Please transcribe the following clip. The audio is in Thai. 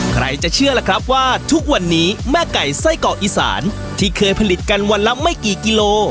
ใครจะเชื่อล่ะครับว่าทุกวันนี้แม่ไก่ไส้เกาะอีสานที่เคยผลิตกันวันละไม่กี่กิโล